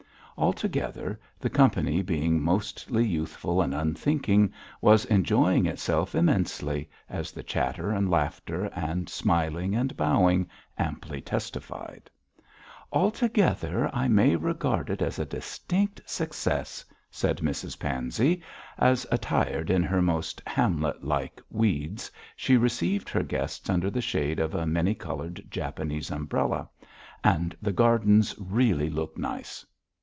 Altogether, the company, being mostly youthful and unthinking, was enjoying itself immensely, as the chatter and laughter, and smiling and bowing amply testified. 'Altogether, I may regard it as a distinct success,' said Mrs Pansey, as, attired in her most Hamlet like weeds, she received her guests under the shade of a many coloured Japanese umbrella. 'And the gardens really look nice.'